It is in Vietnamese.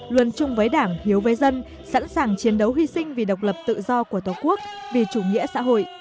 luân chung với đảng hiếu với dân sẵn sàng chiến đấu hy sinh vì độc lập tự do của tổ quốc vì chủ nghĩa xã hội